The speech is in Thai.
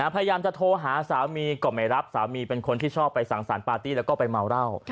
พยายามจะโทรหาสามีก็ไม่รับสามีเป็นคนที่ชอบไปสั่งสารปาร์ตี้แล้วก็ไปเมาเหล้า